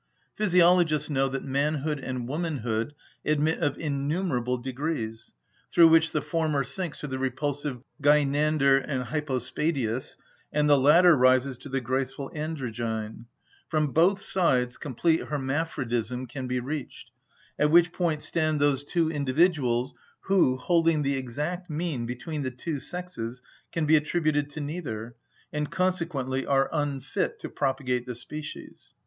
Physiologists know that manhood and womanhood admit of innumerable degrees, through which the former sinks to the repulsive gynander and hypospadæus, and the latter rises to the graceful androgyne; from both sides complete hermaphrodism can be reached, at which point stand those individuals who, holding the exact mean between the two sexes, can be attributed to neither, and consequently are unfit to propagate the species.